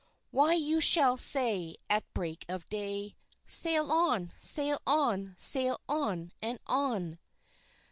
"Why you shall say at break of day, Sail on! Sail on! Sail on! and on!"